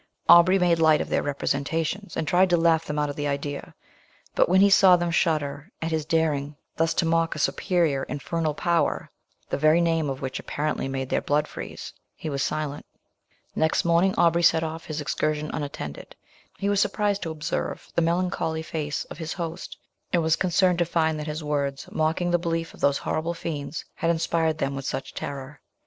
Aubrey made light of their representations, and tried to laugh them out of the idea; but when he saw them shudder at his daring thus to mock a superior, infernal power, the very name of which apparently made their blood freeze, he was silent. Next morning Aubrey set off upon his excursion unattended; he was surprised to observe the melancholy face of his host, and was concerned to find that his words, mocking the belief of those horrible fiends, had inspired them with such terror.